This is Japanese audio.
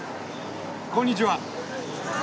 こんにちは。